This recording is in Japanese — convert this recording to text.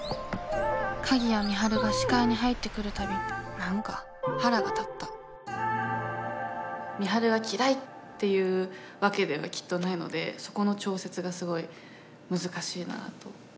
鍵谷美晴が視界に入ってくるたび何か腹が立った美晴が嫌いっていうわけではきっとないのでそこの調節がすごい難しいなと。